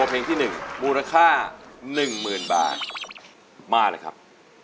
สู้ครับ